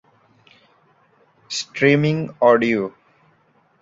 streaming audio